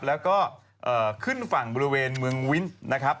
แล้วก็ขึ้นฝั่งบริเวณเมืองวินนะครับ